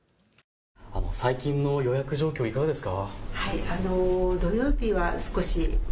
最近の予約状況、いかがですか。